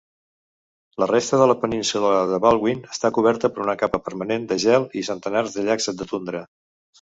La resta de la península de Baldwin està coberta per una capa permanent de gel i centenars de llacs de tundra.